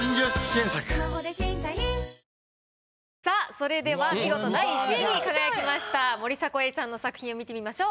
それでは見事第１位に輝きました森迫永依さんの作品を見てみましょう。